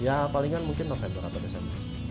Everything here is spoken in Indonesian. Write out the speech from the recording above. ya palingan mungkin november atau desember